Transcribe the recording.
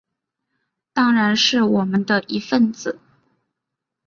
当然是我们的一分子